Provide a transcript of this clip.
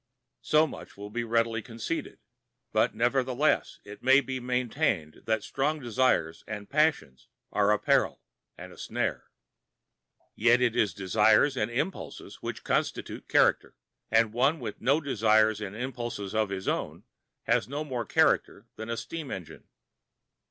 So much will be readily conceded, but nevertheless it may be maintained that strong desires and passions are a peril and a snare. Yet it is desires and impulses which constitute character, and one with no desires and impulses of his own has no more character than a steam engine.